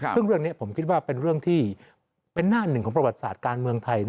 ซึ่งเรื่องนี้ผมคิดว่าเป็นเรื่องที่เป็นหน้าหนึ่งของประวัติศาสตร์การเมืองไทย